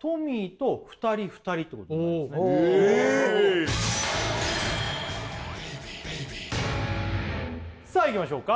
トミーと２人２人ってことえっさあいきましょうか